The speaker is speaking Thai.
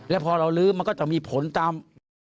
แล้วพอเราลื้อมันก็จะมีผลตาม